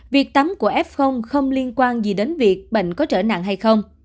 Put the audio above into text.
việc tắm của f không liên quan gì đến việc bệnh có trở nặng hay không